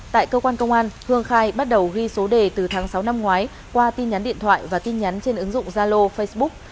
tại cơ quan công an hương khai bắt đầu ghi số đề từ tháng sáu năm ngoái qua tin nhắn điện thoại và tin nhắn trên ứng dụng zalo facebook